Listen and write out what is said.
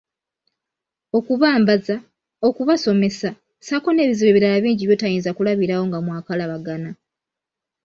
"Okubambaza, okubasomesa, ssaako n'ebizibu ebirala bingi by'otayinza kulabirawo nga mwakalabagana."